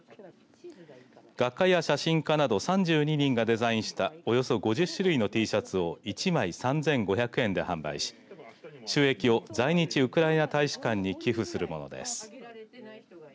画家や写真家など３２人がデザインしたおよそ５０種類のＴシャツを１枚３５００円で販売し収益を在日ウクライナ大使館に寄付するものです。